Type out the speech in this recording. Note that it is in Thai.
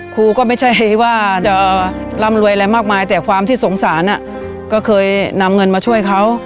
ครูก็ไม่ใช่ว่าจะร่ำรวยอะไรมากมายแต่ความที่สงสารก็เคยนำเงินมาช่วยเขา